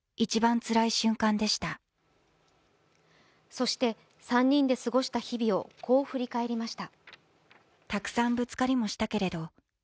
そして、３人で過ごした日々をこう振り返りました。